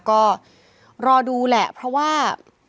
ก็รอดูแหละเพราะว่า